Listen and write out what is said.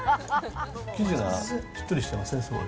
生地がしっとりしてますね、すごい。